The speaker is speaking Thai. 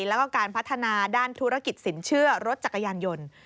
แล้วก็การพัฒนาด้านธุรกิจสินเชื่อรถจักรยานยนต์